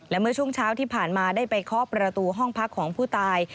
และเมื่อช่วงเช้าที่ผ่านมาได้ไปเคาะประตูห้องพักของผู้ตาย